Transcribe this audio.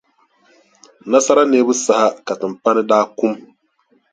Nasara neebu saha ka timpani daa kum.